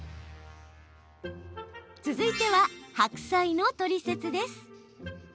続いては、白菜のトリセツです。